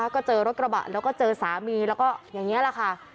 ก็เจอรถกระบะแล้วก็เจอสามีแล้วก็อย่างนี้แหละค่ะ